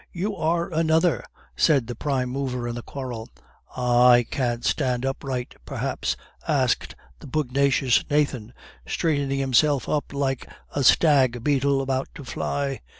"You are another!" said the prime mover in the quarrel. "Ah, I can't stand upright, perhaps?" asked the pugnacious Nathan, straightening himself up like a stag beetle about to fly.